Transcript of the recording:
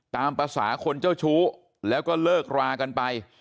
ตามภาษาคนเจ้าชู้แล้วก็เลิกรากันไป